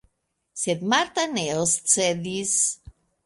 Sed Marta ne oscedis.